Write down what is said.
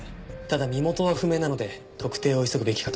ただ身元は不明なので特定を急ぐべきかと。